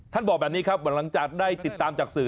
บอกแบบนี้ครับหลังจากได้ติดตามจากสื่อ